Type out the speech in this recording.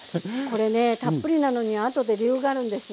これねたっぷりなのにはあとで理由があるんです。